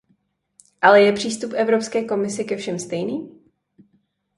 Ale je přístup Evropské komise ke všem stejný?